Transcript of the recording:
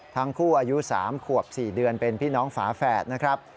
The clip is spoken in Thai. อายุ๓ขวบ๔เดือนเป็นพี่น้องฝาแฝดนะครับ